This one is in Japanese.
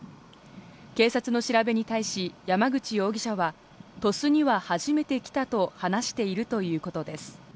警察の調べに対し山口容疑者は鳥栖には初めて来たと話しているということです。